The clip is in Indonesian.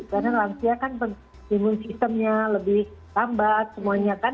karena lengsia kan simul sistemnya lebih lambat semuanya kan